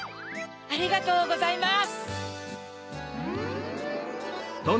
ありがとうございます。